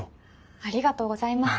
ありがとうございます。